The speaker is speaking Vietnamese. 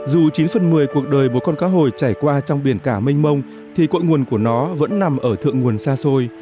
dù chín phần một mươi cuộc đời của con cá hồi trải qua trong biển cả mênh mông thì cội nguồn của nó vẫn nằm ở thượng nguồn xa xôi